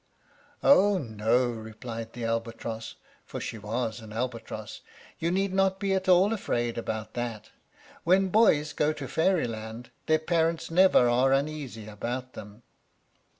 "Oh no," replied the albatross (for she was an albatross), "you need not be at all afraid about that. When boys go to Fairyland, their parents never are uneasy about them."